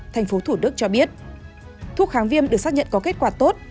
thành phố thủ đức cho biết thuốc kháng viêm được xác nhận có kết quả tốt